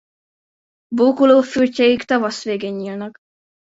Bókoló fürtjeik tavasz végén nyílnak.